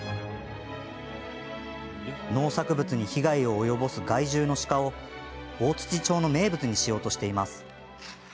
農作物に被害を及ぼす害獣の鹿を大槌町の名物にしようとしています。